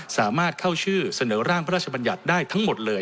สามารถเข้าชื่อเสนอร่างพระราชบัญญัติได้ทั้งหมดเลย